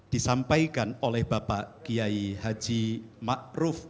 disampaikan oleh bapak kiai haji ma'ruf